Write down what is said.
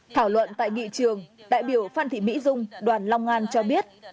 thảo luận tại nghị trường đại biểu phan thị mỹ dung đoàn long an cho biết